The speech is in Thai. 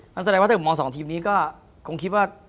นั่นแสดงว่าเธอมอง๒ทีมนี้ก็คงคิดว่า